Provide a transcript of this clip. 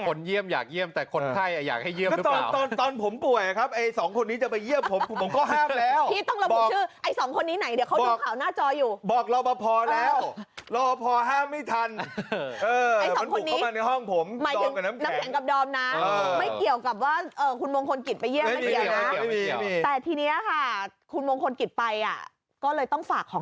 ถ้าคนเยี่ยมอยากเยี่ยมแต่คนไข้อยากให้เยี่ยมหรือเปล่า